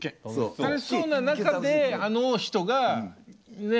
楽しそうな中であの人がねえ